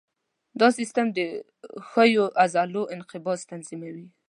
دا سیستم د ښویو عضلو انقباض تنظیموي.